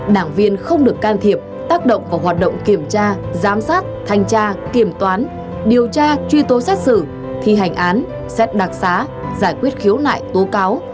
đảng viên không được can thiệp tác động vào hoạt động kiểm tra giám sát thanh tra kiểm toán điều tra truy tố xét xử thi hành án xét đặc xá giải quyết khiếu nại tố cáo